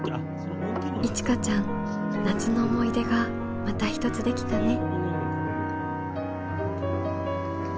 いちかちゃん夏の思い出がまた一つできたね。